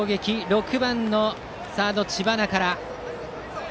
６番のサード、知花から。